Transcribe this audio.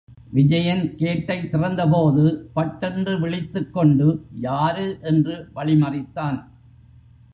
விஜயன் கேட்டை திறந்தபோது பட்டென்று விழித்துக்கொண்டு, யாரு? என்று வழி மறித்தான்.